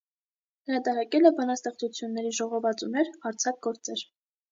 Հրատարակել է բանաստեղծությունների ժողովածուներ, արձակ գործեր։